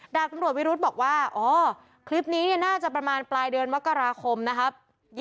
ดาบตำรวจวิรุธบอกว่าอ๋อคลิปนี้เนี่ยน่าจะประมาณปลายเดือนมกราคมนะครับ